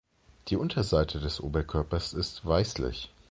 Die Unterseite des Oberkörpers ist weißlich.